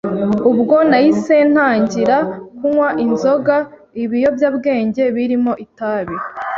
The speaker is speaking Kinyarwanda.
ubwo nahise ntangira kunywa inzoga, ibiyobyabwenge birimo itabi,